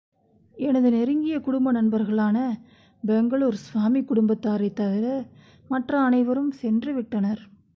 எனது நெருங்கிய குடும்ப நண்பர்களான பெங்களூர் சுவாமி குடும்பத்தாரைத் தவிர மற்ற அனைவரும் சென்று விட்டனர்.